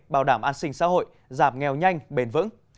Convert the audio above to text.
bảo đảm an sinh xã hội giảm nghèo nhanh bền vững